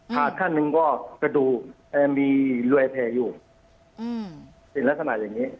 ท่านหนึ่งก็กระดูกมีรอยแผลอยู่เป็นลักษณะอย่างนี้